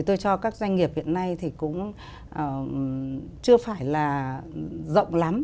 tôi cho các doanh nghiệp hiện nay thì cũng chưa phải là rộng lắm